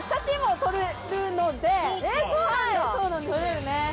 撮れるね。